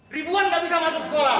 ribuan nggak bisa masuk sekolah